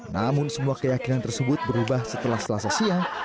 namun semua keyakinan tersebut berubah setelah selasa siang